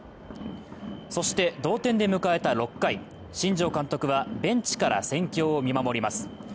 そして、同点で迎えた６回、新庄監督はベンチから戦況を見守ります。